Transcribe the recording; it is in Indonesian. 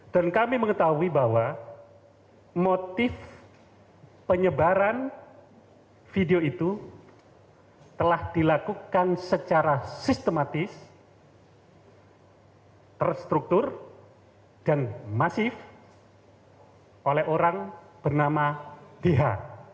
kami mengetahui bahwa motif penyebaran video itu telah dilakukan secara sistematis terstruktur dan masif oleh orang bernama dh